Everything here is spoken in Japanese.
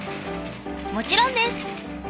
もちろんです。